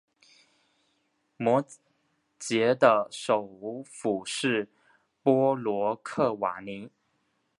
摩羯的首府是波罗克瓦尼。